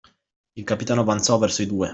Il capitano avanzò verso i due.